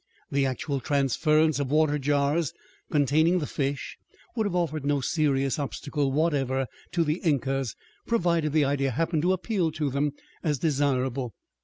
The actual transference of water jars containing the fish would have offered no serious obstacle whatever to the Incas, provided the idea happened to appeal to them as desirable.